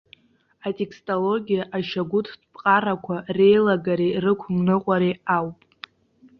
Атекстологиа ашьагәыҭтә ԥҟарақәа реилагареи рықәымныҟәареи ауп.